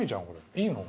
いいの？